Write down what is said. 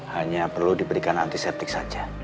hanya perlu diberikan antiseptik saja